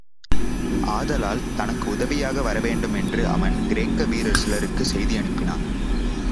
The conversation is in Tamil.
ஆதலால், தனக்கு உதவியாக வரவேண்டுமென்று அவன் கிரேக்க வீரர் சிலருக்குச் செய்தி அனுப்பினான்.